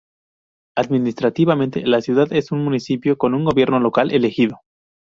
Administrativamente, la ciudad es un municipio, con un gobierno local elegido.